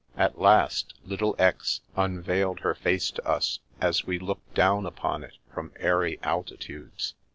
At last little Aix unveiled her face to us, as we looked down upon it from airy altitudes.